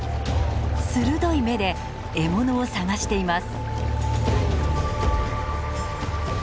鋭い目で獲物を探しています。